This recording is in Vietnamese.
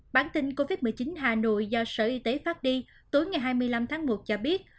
bản tin covid một mươi chín hà nội do sở y tế phát đi tối ngày hai mươi năm tháng một cho biết